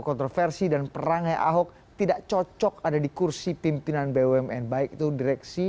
kontroversi dan perangnya ahok tidak cocok ada di kursi pimpinan bumn baik itu direksi